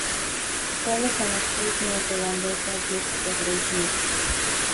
Sale con la actriz neozelandesa Jessica Grace Smith.